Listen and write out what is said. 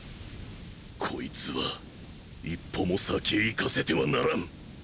こいつは一歩も先へ行かせてはならん！